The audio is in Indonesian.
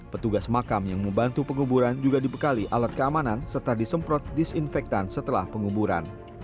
petugas makam yang membantu penguburan juga dibekali alat keamanan serta disemprot disinfektan setelah penguburan